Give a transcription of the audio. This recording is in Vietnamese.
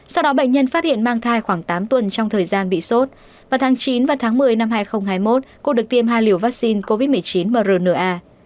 sau đó bệnh nhân phát hiện mang thai khoảng tám tuần trong thời gian bị sốt vào tháng chín và tháng một mươi năm hai nghìn hai mươi một cô được tiêm hai liều vaccine covid một mươi chín mrna